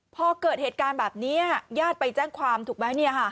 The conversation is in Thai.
พอเกิดเหตุการณ์แบบนี้ญาติไปแจ้งความถูกไหม